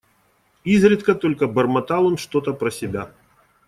Изредка только бормотал он что-то про себя.